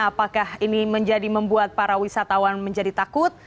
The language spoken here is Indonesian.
apakah ini menjadi membuat para wisatawan menjadi takut